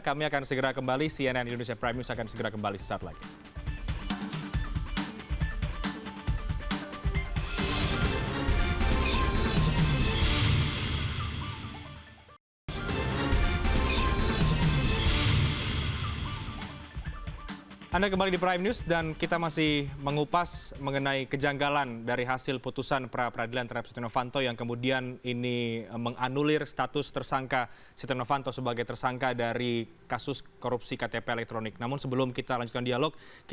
kami akan segera kembali cnn indonesia prime news akan segera kembali sesat lagi